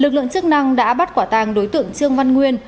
lực lượng chức năng đã bắt quả tàng đối tượng trương văn nguyên